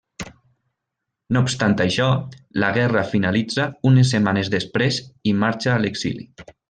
No obstant això, la guerra finalitza unes setmanes després i marxa a l'exili.